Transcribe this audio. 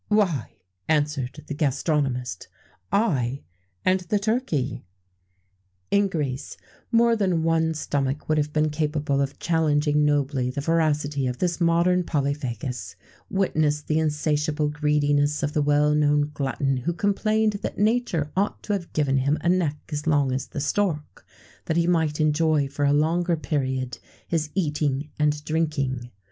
"Why," answered the gastronomist, "I and the turkey." In Greece, more than one stomach would have been capable of challenging nobly the voracity of this modern polyphagus: witness the insatiable greediness of the well known glutton who complained that nature ought to have given him a neck as long as the stork, that he might enjoy for a longer period his eating and drinking.